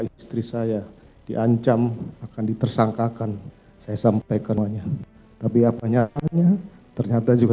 istri saya diancam akan ditersangkakan saya sampaikan semuanya tapi apanya ternyata juga